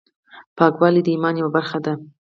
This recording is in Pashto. پاکوالی د ایمان یوه برخه ده.